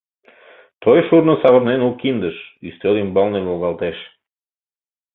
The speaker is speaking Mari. Той шурно савырнен у киндыш, Ӱстел ӱмбалне волгалтеш.